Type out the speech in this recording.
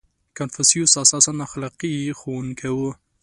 • کنفوسیوس اساساً اخلاقي ښوونکی و.